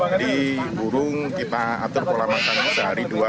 jadi burung kita atur pola makan sehari dua